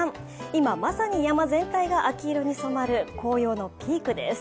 今、まさに山全体が秋色に染まる紅葉のピークです。